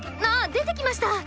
出てきました。